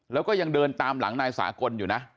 แล้วก็ยังเดินตามหลังนายสากลอยู่นะ